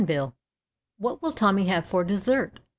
"VTTHAT will Tommy have for dessert?"